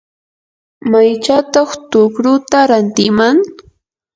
¿maychawtaq tukruta rantiman?